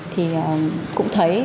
thì cũng thấy